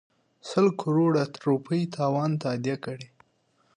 سل کروړه روپۍ تاوان تادیه کړي.